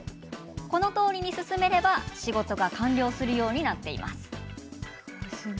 このとおりに進めれば、仕事が完了するようになっています。